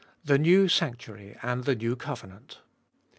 The New Sanctuary and the New Covenant.